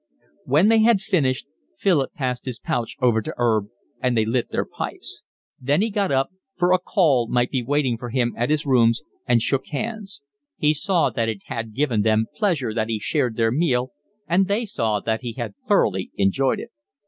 When they had finished Philip passed his pouch over to 'Erb and they lit their pipes; then he got up, for a 'call' might be waiting for him at his rooms, and shook hands. He saw that it had given them pleasure that he shared their meal, and they saw that he had thoroughly enjoyed it.